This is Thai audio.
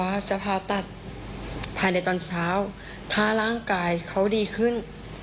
ว่าจะผ่าตัดภายในตอนเช้าถ้าร่างกายเขาดีขึ้น